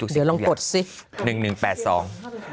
เดี๋ยวลองกดสิหนึ่งหนึ่งแปดสอง